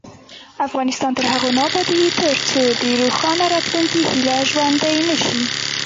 افغانستان تر هغو نه ابادیږي، ترڅو د روښانه راتلونکي هیله ژوندۍ نشي.